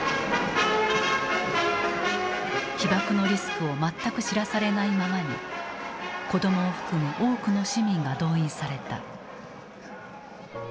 被ばくのリスクを全く知らされないままに子どもを含む多くの市民が動員された。